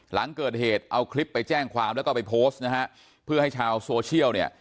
หลังเกิดเหตุเอาคลิปไปแจ้งความแล้วก็ไปโพสต์นะฮะเพื่อให้ชาวโซเชียลเนี่ย